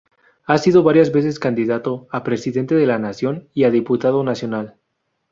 Ha sido varias veces candidato a Presidente de la Nación y a diputado nacional.